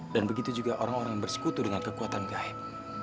dan begitu juga orang orang yang bersekutu dengan kekuatan gaib